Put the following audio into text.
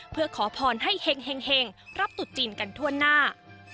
เพื่อขอพรให้เห็งรับตุดจีนกันทั่วหน้า